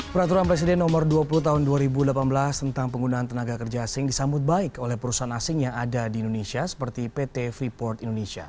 peraturan presiden nomor dua puluh tahun dua ribu delapan belas tentang penggunaan tenaga kerja asing disambut baik oleh perusahaan asing yang ada di indonesia seperti pt freeport indonesia